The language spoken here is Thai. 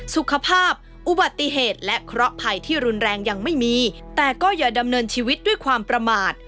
สุขภาพอุบัติเหตุและเคราะห์ภัยที่รุนแรงยังไม่มีแต่ก็อย่าดำเนินชีวิตด้วยความประมาท